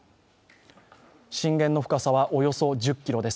震源の深さはおよそ１０ｋｍです。